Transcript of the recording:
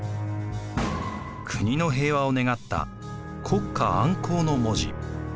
国の平和を願った「国家安康」の文字。